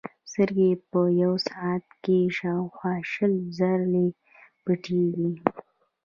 سترګې په یوه ساعت کې شاوخوا شل زره ځلې پټېږي.